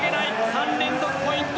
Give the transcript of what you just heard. ３連続ポイント